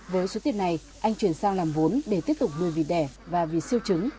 với số tiền này anh chuyển sang làm vốn để tiếp tục nuôi vì đẻ và vì siêu chứng